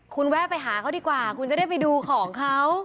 คุณแวะไปหาเขาดีกว่าคุณจะได้ไปดูของเขา